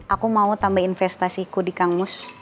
aku mau tambah investasiku di kang mus